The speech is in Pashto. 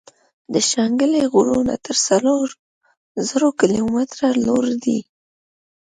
د شانګلې غرونه تر څلور زرو کلو ميتره لوړ دي ـ